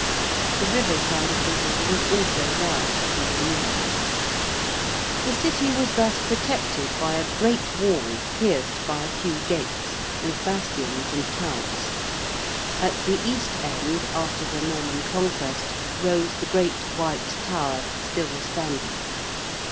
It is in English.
The river side of the Wall was also allowed to be removed. [Illustration: REMAINS OF THE WALL.] The City was thus protected by a great wall pierced by a few gates, with bastions and towers. At the East End after the Norman Conquest rose the Great White Tower still standing.